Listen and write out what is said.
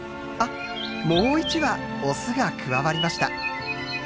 もう１羽オスが加わりました。